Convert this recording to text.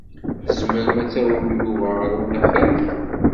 Tzemrem ad tawim Yuba ɣer unafag?